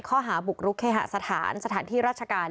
ข้อหาบุกรุกเคหสถานสถานที่ราชการ